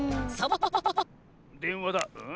でんわだ。